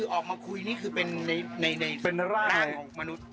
ออกมาคุยนี่คือเป็นในร่างของมนุษย์